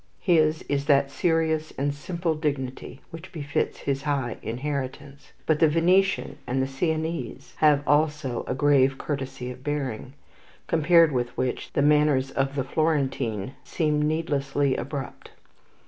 His is that serious and simple dignity which befits his high inheritance. But the Venetian and the Sienese have also a grave courtesy of bearing, compared with which the manners of the Florentine seem needlessly abrupt.